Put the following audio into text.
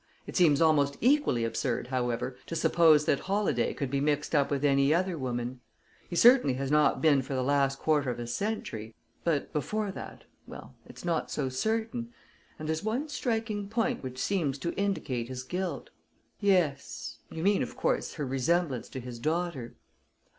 It seems almost equally absurd, however, to suppose that Holladay could be mixed up with any other woman. He certainly has not been for the last quarter of a century but before that well, it's not so certain. And there's one striking point which seems to indicate his guilt." "Yes you mean, of course, her resemblance to his daughter."